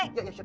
ya ya siap